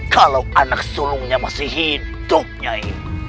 kalau anak sulungnya masih hidupnya ini